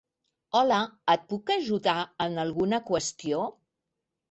Hola, et puc ajudar en alguna qüestió?